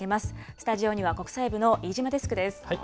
スタジオには国際部の飯島デスクです。